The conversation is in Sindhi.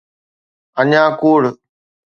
اڃا ڪوڙ.